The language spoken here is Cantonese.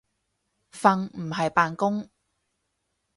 瞓唔係扮工